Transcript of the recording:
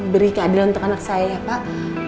beri keadilan untuk anak saya ya pak